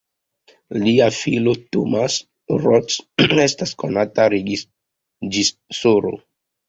Lia filo Thomas Roth estas konata reĝisoro.